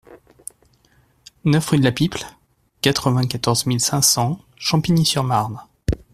neuf rue de la Piple, quatre-vingt-quatorze mille cinq cents Champigny-sur-Marne